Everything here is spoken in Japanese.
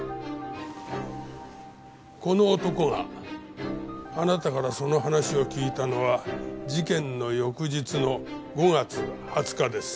この男があなたからその話を聞いたのは事件の翌日の５月２０日です。